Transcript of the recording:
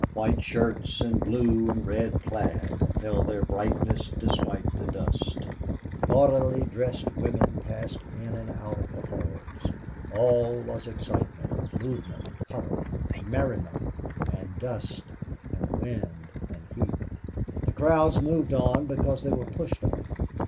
White shirts and blue and red plaid held their brightness despite the dust. Gaudily dressed women passed in and out of the halls. All was excitement, movement, color, merriment, and dust and wind and heat. The crowds moved on because they were pushed on.